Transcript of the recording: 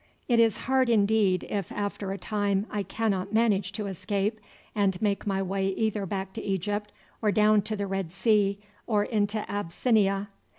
It is hard indeed if after a time I cannot manage to escape, and to make my way either back to Egypt or down to the Red Sea, or into Abyssinia.